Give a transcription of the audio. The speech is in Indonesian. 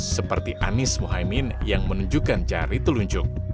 seperti anies mohaimin yang menunjukkan jari telunjuk